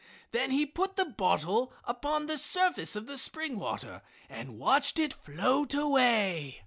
Then he put the bottle upon the surface of the spring water and watched it float away.